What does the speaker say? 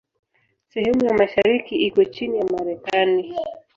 Sehemu ya mashariki iko chini ya Marekani.